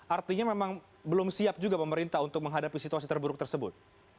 artinya memang belum siap juga pemerintah untuk menghadapi situasi terburuk tersebut